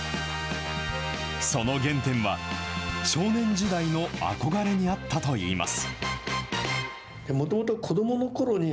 その原点は、少年時代の憧れにあったといいます。